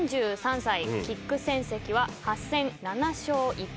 キック戦績は８戦７勝１敗。